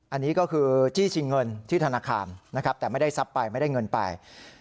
อันนี้ก็คือจี้ชิงเงินที่ธนาคารนะครับแต่ไม่ได้ทรัพย์ไปไม่ได้เงินไป